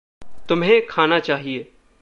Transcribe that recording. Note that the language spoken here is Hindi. तुम्हें खाना चाहिए।